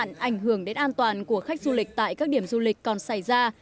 các hệ thống vệ sinh môi trường đến an toàn của khách du lịch tại các điểm du lịch còn xảy ra